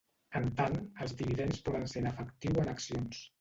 En tant, els dividends poden ser en efectiu o en accions.